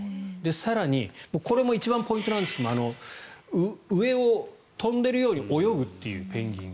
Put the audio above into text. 更に、これも一番ポイントなんですが上を飛んでいるように泳ぐというペンギンが。